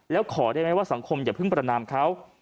แล้วขอได้ไหมว่าสังคมอย่าเพิ่งประนามเขา